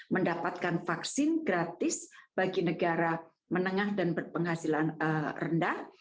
mendapatkan vaksin gratis bagi negara menengah dan berpenghasilan rendah